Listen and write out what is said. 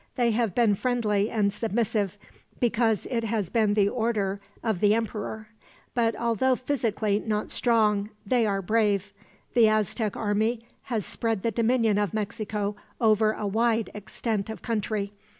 They have been friendly and submissive, because it has been the order of the emperor; but although physically not strong, they are brave. The Aztec army has spread the dominion of Mexico over a wide extent of country.